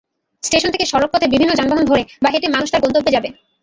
Station থেকে সড়কপথে বিভিন্ন যানবাহন ধরে বা হেঁটে মানুষ তার গন্তব্যে যাবে।